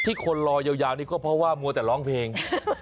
คนรอยาวนี่ก็เพราะว่ามัวแต่ร้องเพลง